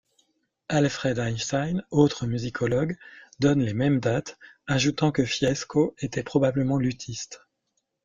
Alfred Einstein, autre musicologue, donne les mêmes dates, ajoutant que Fiesco était probablement luthiste.